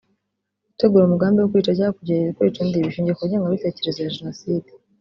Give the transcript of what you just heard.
gutegura umugambi wo kwica cyangwa kugerageza kwica undi bishingiye ku ngengabitekerezo ya jenoside